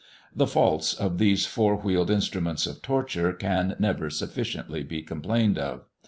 The faults of these four wheeled instruments of torture can never sufficiently be complained of.